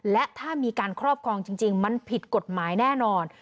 และถ้ามีการครอบครองจริงมันผิดกฎหมายแน่นอน